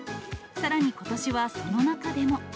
さらに、ことしはその中でも。